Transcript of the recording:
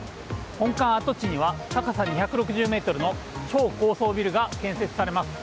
本館跡地には、高さ２６０ｍの超高層ビルが建設されます。